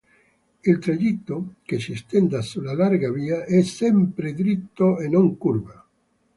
Il tragitto, che si estende sulla larga via, è sempre dritto e non curva.